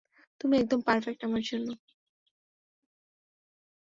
তুমি একদম পারফেক্ট আমাদের জন্য।